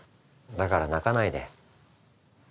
だから泣かないで。